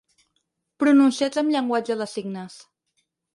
Pronunciats amb llenguatge de signes.